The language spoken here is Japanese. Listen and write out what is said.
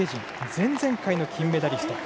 前々回の金メダリスト。